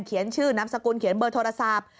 ชื่อนามสกุลเขียนเบอร์โทรศัพท์